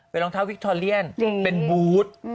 เป็นรองเท้าวิคทอเลียนเป็นบูธ